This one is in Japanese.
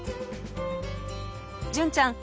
純ちゃん